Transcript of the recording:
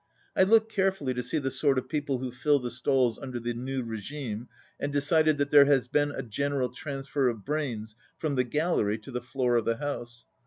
I looked carefully to see the sort of people who fill the stalls under the new regime, and decided that there has been a general transfer of brains from the gallery to the floor of the house.